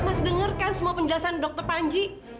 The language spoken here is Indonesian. mas dengarkan semua penjelasan dokter panji